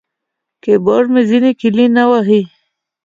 کیبورډ مې ځینې کیلي نه وهي.